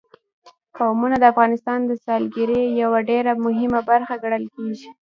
قومونه د افغانستان د سیلګرۍ یوه ډېره مهمه برخه ګڼل کېږي.